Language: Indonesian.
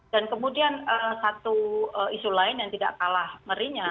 dan kemudian satu isu lain yang tidak kalah merinya